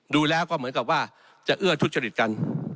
ดูแล้วก็เหมือนกับว่าจะเอื้อทุจริตกัน